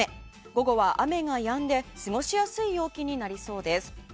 午後は雨がやんで過ごしやすい陽気になりそうです。